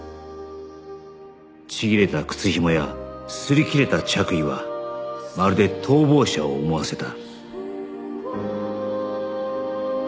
ちぎれた靴ひもや擦り切れた着衣はまるで逃亡者を思わせた